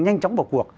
nhanh chóng vào cuộc